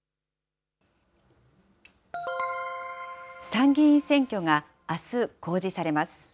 参議院選挙があす公示されます。